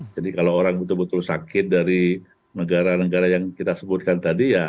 jadi kalau orang betul betul sakit dari negara negara yang kita sebutkan tadi ya